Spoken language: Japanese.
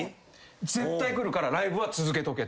絶対くるからライブは続けとけと。